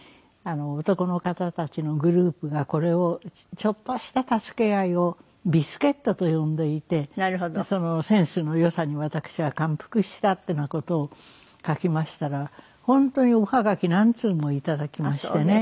男の方たちのグループがこれをちょっとした助け合いを「微助っ人」と呼んでいてそのセンスの良さに私は感服したっていうような事を書きましたら本当におはがき何通もいただきましてね。